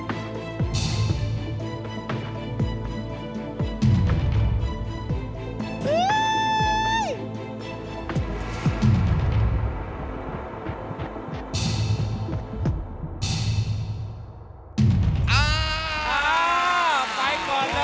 ไปก่อนเลย